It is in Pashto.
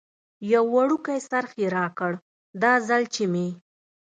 یو وړوکی څرخ یې راکړ، دا ځل چې مې.